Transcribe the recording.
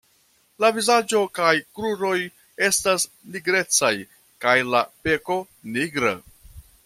La vizaĝo kaj kruroj estas nigrecaj kaj la beko nigra.